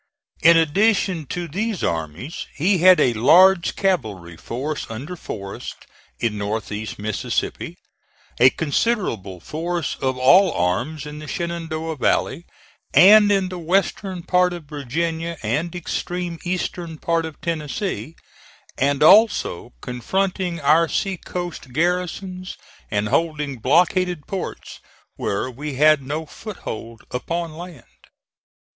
In addition to these armies he had a large cavalry force under Forrest, in North east Mississippi; a considerable force, of all arms, in the Shenandoah Valley, and in the western part of Virginia and extreme eastern part of Tennessee; and also confronting our sea coast garrisons, and holding blockaded ports where we had no foothold upon land.